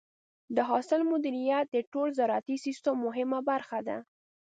د حاصل مدیریت د ټول زراعتي سیستم مهمه برخه ده.